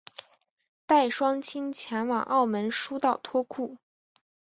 带双亲前往澳门输到脱裤